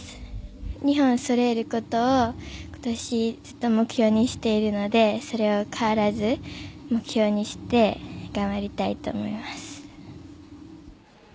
２本揃えることを今年ずっと目標にしているのでそれを変わらず目標にして頑張りたいと思います。